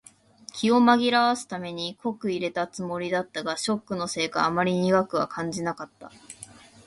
気を紛らわすために濃く淹れたつもりだったが、ショックのせいかあまり苦くは感じなかった。